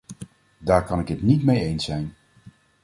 Daar kan ik het niet mee eens zijn.